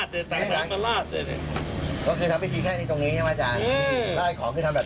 ถ้าอาบ๓ตัวก็ลาด